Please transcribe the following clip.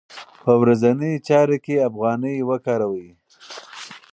په ورځنیو چارو کې افغانۍ وکاروئ.